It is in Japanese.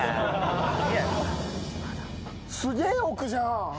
すげえ奥じゃん。